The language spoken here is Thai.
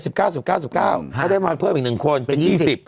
แล้วได้มาเพิ่มอีกหนึ่งคนเป็น๒๐